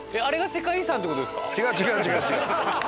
違う違う違う違う。